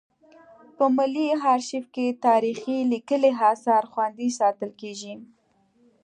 په ملي ارشیف کې تاریخي لیکلي اثار خوندي ساتل کیږي.